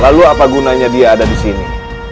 lalu apa gunanya dia ada disini